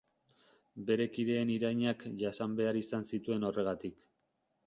Bere kideen irainak jasan behar izan zituen horregatik.